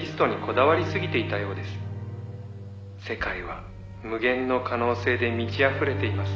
「世界は無限の可能性で満ちあふれています」